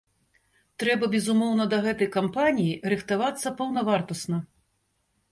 Трэба, безумоўна, да гэтай кампаніі рыхтавацца паўнавартасна.